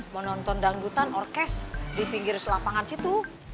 mau nonton dangdutan orkes di pinggir lapangan situ